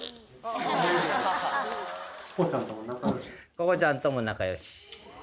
ココちゃんとも仲よし。